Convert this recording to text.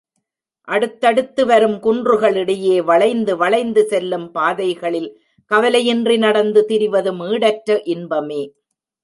அடுத்தடுத்து வரும் குன்றுகளிடையே, வளைந்து வளைந்து செல்லும் பாதைகளில் கவலையின்றி நடந்து திரிவதும் ஈடற்ற இன்பமே.